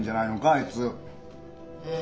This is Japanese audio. あいつ。え？